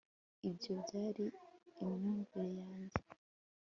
ibyo byari imyumvire yanjye